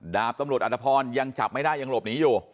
ดาบตำรวจอัตภพรยังจับไม่ได้ยังหลบหนีอยู่